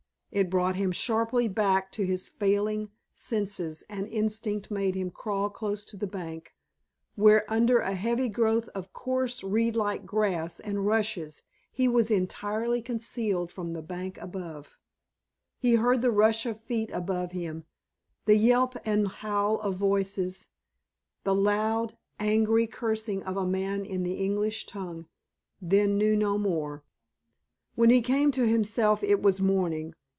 It brought him sharply back to his failing senses, and instinct made him crawl close to the bank, where, under a heavy growth of coarse reed like grass and rushes he was entirely concealed from the bank above. He heard the rush of feet above him, the yelp and howl of voices, the loud, angry cursing of a man in the English tongue, then knew no more. When he came to himself it was morning.